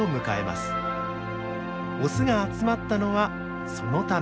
オスが集まったのはそのため。